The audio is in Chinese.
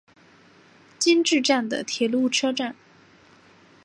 今治站的铁路车站。